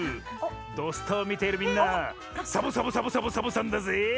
「土スタ」を見ているみんなサボサボサボサボサボさんだぜ！